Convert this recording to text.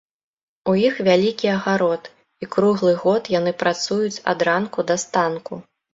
У іх вялікі агарод, і круглы год яны працуюць ад ранку да станку.